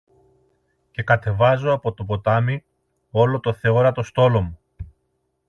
και κατεβάζω από το ποτάμι όλο το θεόρατο στόλο μου